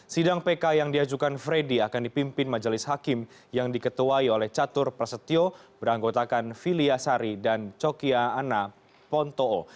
sidang pk yang diajukan freddy akan dipimpin majelis hakim yang diketuai oleh catur prasetyo beranggotakan filia sari dan cokia ana pontoo